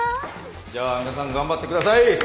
じゃあ皆さん頑張って下さい。